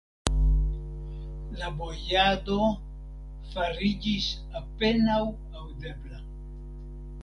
La bojado fariĝis apenaŭ aŭdebla.